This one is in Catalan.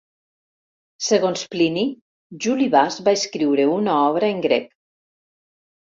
Segons Plini, Juli Bas va escriure una obra en grec.